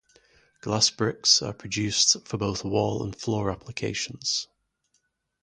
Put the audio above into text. Glass bricks are produced for both wall and floor applications.